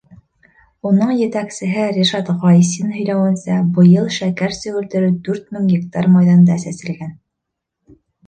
Уның етәксеһе Ришат Ғайсин һөйләүенсә, быйыл шәкәр сөгөлдөрө дүрт мең гектар майҙанда сәселгән.